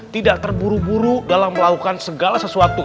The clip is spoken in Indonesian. tidak terburu buru dalam melakukan segala sesuatu